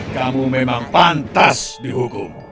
kamu memang pantas dihukum